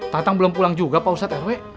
tatang belum pulang juga pak ustadz rw